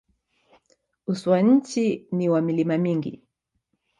Uso wa nchi ni wa milima mingi.